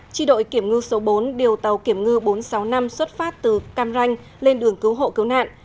chi đội kiểm ngư số bốn điều tàu kiểm ngư bốn trăm sáu mươi năm xuất phát từ cam ranh lên đường cứu hộ cứu nạn